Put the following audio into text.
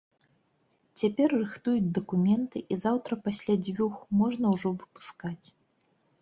Цяпер рыхтуюць дакументы і заўтра пасля дзвюх можна ўжо выпускаць.